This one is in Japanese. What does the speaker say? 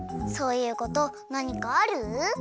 そういうことなにかある？